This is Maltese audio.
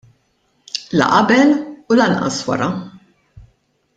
La qabel u lanqas wara.